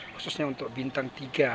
khususnya untuk bintang tiga